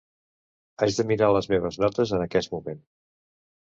Haig de mirar les meves notes en aquest moment.